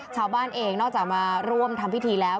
ชาวบ้านเองนอกจากมาร่วมทำพิธีแล้ว